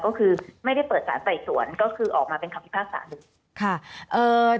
ก็คือไม่ได้เปิดสารใส่ส่วนก็คือออกมาเป็นความคิดภาคสาธารณ์